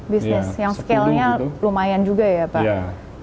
sepuluh bisnis yang scalenya lumayan juga ya pak